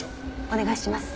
お願いします。